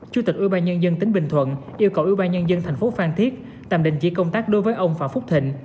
chủ tịch ủy ban nhân dân tỉnh bình thuận yêu cầu ủy ban nhân dân thành phố phan thiết tạm định chỉ công tác đối với ông phạm phúc thịnh